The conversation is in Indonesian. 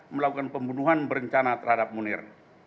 melakukan pembunuhan berencana terhadap munir